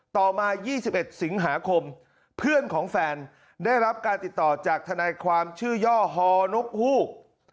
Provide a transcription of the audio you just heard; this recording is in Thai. ต่อมา๒๑สิงหาคมเพื่อนของแฟนได้รับการติดต่อจากทนายความชื่อย่อฮอนกฮูก